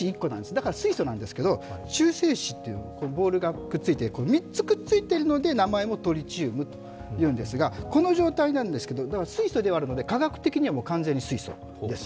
だから水素なんですけど、中性子というボールが３つくっついているので名前もトリチウムというんですがこの状態なんですけど、水素ではあるので科学的には完全に水素です。